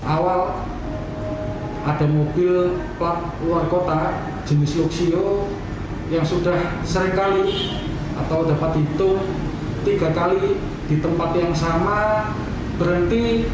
awal ada mobil plat luar kota jenis luxio yang sudah seringkali atau dapat dihitung tiga kali di tempat yang sama berhenti